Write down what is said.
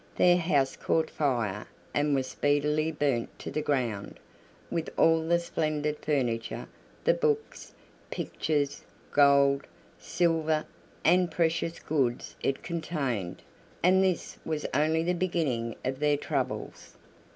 Their house caught fire and was speedily burnt to the ground, with all the splendid furniture, the books, pictures, gold, silver, and precious goods it contained; and this was only the beginning of their troubles.